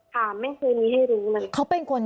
ค่ะไม่เคยมีให้รู้เลย